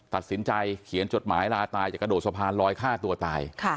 ตัดสินใจเขียนจดหมายลาตายจะกระโดดสะพานลอยฆ่าตัวตาย